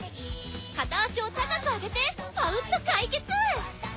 片足を高く上げてパウっと解決！